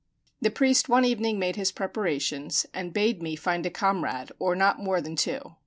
The priest one evening made his preparations, and bade me find a comrade, or not more than two.